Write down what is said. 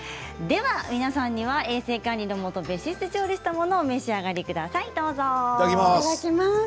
皆さんには衛生管理のもと別室で調理したものを召し上がってください。